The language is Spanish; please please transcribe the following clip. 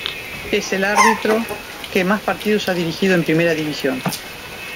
Es el árbitro que más partidos ha dirigido en Primera División.